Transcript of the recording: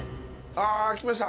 あ来ました。